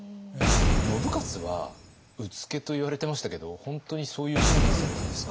信雄は「うつけ」と言われてましたけど本当にそういう人物だったんですか？